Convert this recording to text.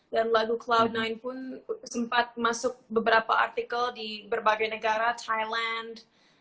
dan lagu cloud sembilan pun sempat masuk beberapa artikel di berbagai negara thailand